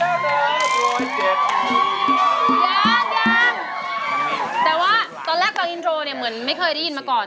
ยังยังแต่ว่าตอนแรกตอนอินโทรเนี่ยเหมือนไม่เคยได้ยินมาก่อน